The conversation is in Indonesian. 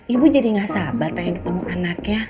ibu jadi gak sabar pengen ketemu anaknya